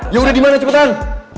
ya udah dimana cepetan